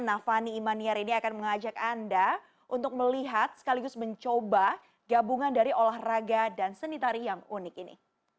nah fani imaniar ini akan mengajak anda untuk melihat sekaligus mencoba gabungan dari olahraga dan seni tari yang unik ini